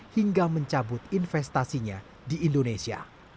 hingga mencabut investasinya di indonesia